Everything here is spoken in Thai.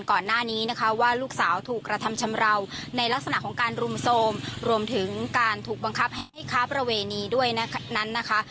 ก่อนหน้านี้นะคะว่าลูกสาวถูกกระทำชำราวในลักษณะของการรุมโทรมรวมถึงการถูกบังคับให้ค้าประเวณีด้วยนั้นนะคะ